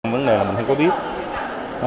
vấn đề là mình không có biết